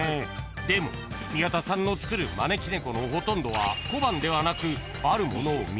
［でも宮田さんの作る招き猫のほとんどは小判ではなく］